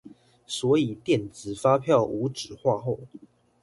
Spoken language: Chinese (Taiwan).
所以電子發票無紙化後